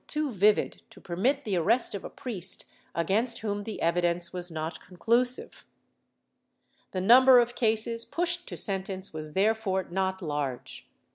VI] STATISTICS 135 too vivid, to permit the arrest of a priest against whom the evidence was not conclusive. The number of cases pushed to sentence was therefore not large.